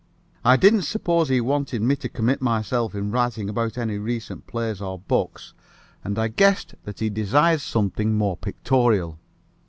I didn't suppose he wanted me to commit myself in writing about any recent plays or books, and I guessed that he desired something more pictorial.